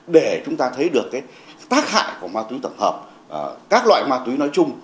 để chúng ta thấy được tác hại của ma túy tổng hợp các loại ma túy nói chung